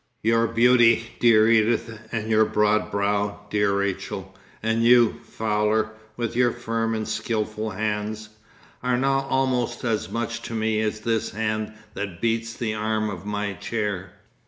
Your beauty, dear Edith, and your broad brow, dear Rachel, and you, Fowler, with your firm and skilful hands, are now almost as much to me as this hand that beats the arm of my chair.